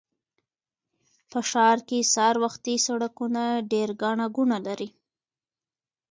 په ښار کې سهار وختي سړکونه ډېر ګڼه ګوڼه لري